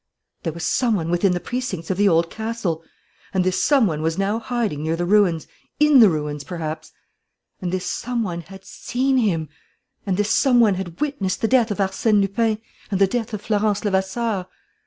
There was some one within the precincts of the Old Castle! And this some one was now hiding near the ruins, in the ruins perhaps! And this some one had seen him! And this some one had witnessed the death of Arsène Lupin and the death of Florence Levasseur!